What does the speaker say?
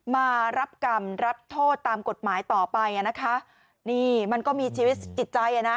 มารับกรรมรับโทษตามกฎหมายต่อไปอ่ะนะคะนี่มันก็มีชีวิตจิตใจอ่ะนะ